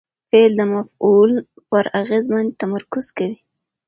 فعل د مفعول پر اغېز باندي تمرکز کوي.